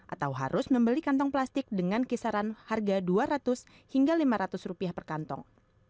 atau harus membeli kantong plastik dengan kisaran harga dua ratus hingga lima ratus rupiah per kantong